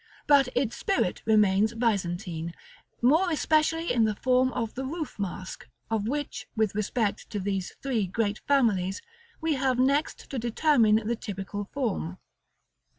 but its spirit remains Byzantine, more especially in the form of the roof mask, of which, with respect to these three great families, we have next to determine the typical form.